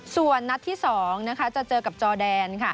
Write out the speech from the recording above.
ส่วนนัดที่๒จะเจอกับจอแดน